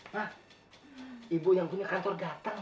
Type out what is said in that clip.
nah ibu yang punya kantor datang